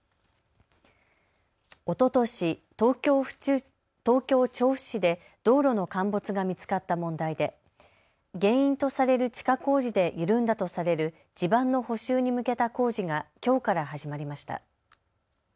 おととし東京調布市で道路の陥没が見つかった問題で原因とされる地下工事で緩んだとされる地盤の補修に向けた工事がきょうから始まりました。